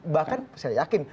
bahkan saya yakin